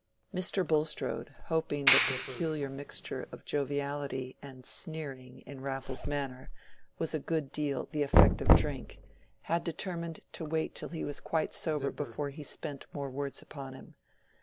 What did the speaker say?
Mr. Bulstrode, hoping that the peculiar mixture of joviality and sneering in Raffles' manner was a good deal the effect of drink, had determined to wait till he was quite sober before he spent more words upon him.